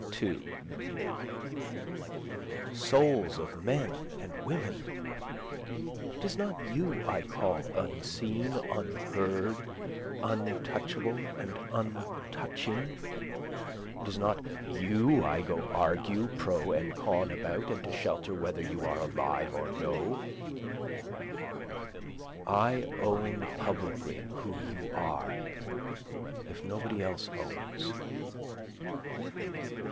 2 Souls of men and women! it is not you I call unseen, unheard, untouchable and untouching, It is not you I go argue pro and con about, and to settle whether you are alive or no, I own publicly who you are, if nobody else owns.